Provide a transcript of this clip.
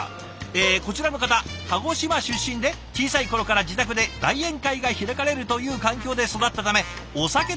えこちらの方鹿児島出身で小さい頃から自宅で大宴会が開かれるという環境で育ったためお酒の席が大好き。